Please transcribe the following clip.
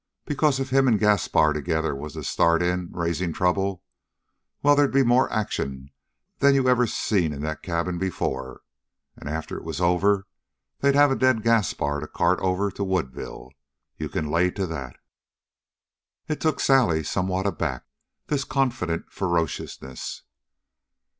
Because if him and Gaspar together was to start in raising trouble well, they'd be more action than you ever seen in that cabin before. And, after it was all over, they'd have a dead Gaspar to cart over to Woodville. You can lay to that!" It took Sally somewhat aback, this confident ferociousness.